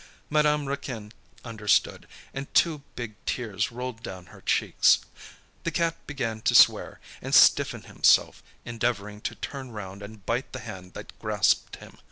Madame Raquin understood, and two big tears rolled down her cheeks. The cat began to swear, and stiffen himself, endeavouring to turn round and bite the hand that grasped him.